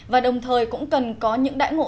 và đồng thời cũng cần có những đại ngộ